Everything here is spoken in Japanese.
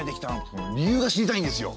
その理由が知りたいんですよ。